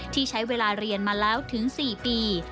ที่ใช้เวลาเรียนมาแล้วถึง๔ปี